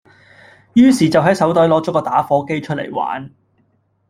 於是就喺手袋攞咗個打火機出嚟玩